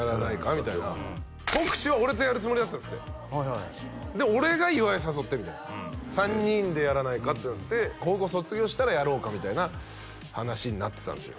みたいな國司は俺とやるつもりだったんですってで俺が岩井誘ってみたいな３人でやらないかってなって高校卒業したらやろうかみたいな話になってたんすよ